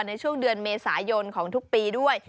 ในช่วงเดือนเมษายนของทุกปีด้วย